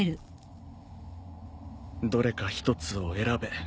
「どれか一つを選べ」か。